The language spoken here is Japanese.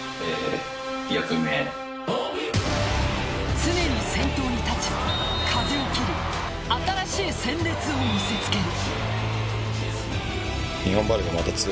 常に先頭に立ち風を切り新しい鮮烈を見せ付ける。